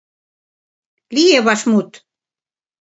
— Лие вашмут.